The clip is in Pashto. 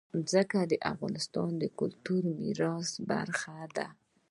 ځمکه د افغانستان د کلتوري میراث برخه ده.